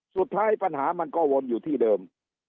สุดท้ายปัญหามันก็วนอยู่ที่เดิม